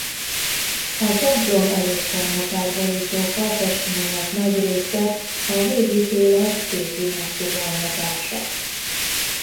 A templom előcsarnokát borító falfestmények nagy része a végítélet képi megfogalmazása.